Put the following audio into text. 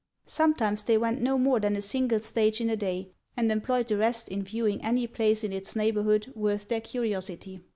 Sometimes they went no more than a single stage in a day, and employed the rest in viewing any place in it's neighbourhood worth their curiosity.